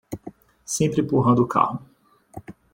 Sempre empurrando o carro